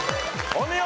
お見事！